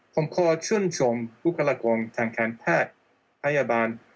ผมขอชื่นชมบุคลากรทางการแพทย์พยาบาล